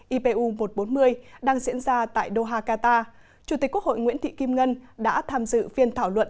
ipu một trăm bốn mươi đang diễn ra tại doha qatar chủ tịch quốc hội nguyễn thị kim ngân đã tham dự phiên thảo luận